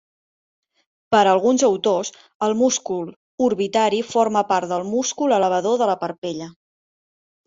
Per a alguns autors, el múscul orbitari forma part del múscul elevador de la parpella.